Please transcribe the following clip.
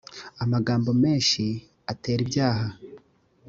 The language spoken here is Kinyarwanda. amagambo menshi ateribyaha.